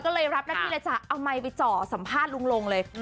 ก็เลยรับหน้าที่เลยจ้ะเอาไมค์ไปเจาะสัมภาษณ์ลุงลงเลย